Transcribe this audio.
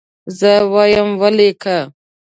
زه وایم ولیکه.